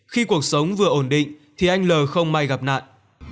khi cuộc sống vừa ổn định thì anh l không may gặp nạn